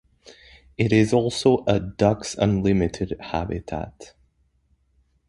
It is also a Ducks Unlimited habitat.